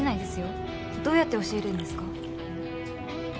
どうやって教えるんですか？